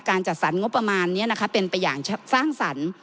จัดสรรงบประมาณนี้นะคะเป็นไปอย่างสร้างสรรค์